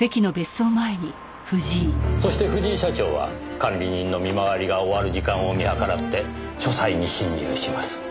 そして藤井社長は管理人の身回りが終わる時間を見計らって書斎に侵入します。